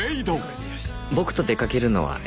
「僕と出掛けるのは嫌？」